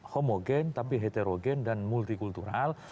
homogen tapi heterogen dan multikultural